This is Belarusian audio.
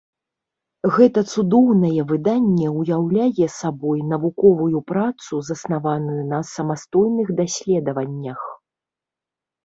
Гэта цудоўнае выданне ўяўляе сабой навуковую працу, заснаваную на самастойных даследаваннях.